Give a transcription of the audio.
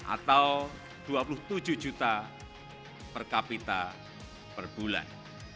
atau dua puluh tujuh juta per kapita per bulan